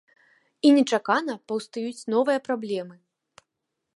І нечакана паўстаюць новыя праблемы.